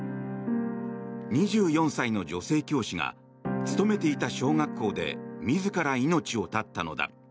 ２４歳の女性教師が勤めていた小学校で自ら命を絶ったのだ。